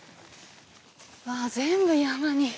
わあ全部山に。